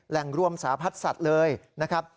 แหล่งรวมสาพัดสัตว์เลยนะครับ